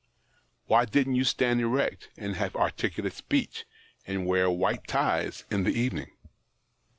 Why didn't you stand erect, and have articulate speech, and wear white ties in the evening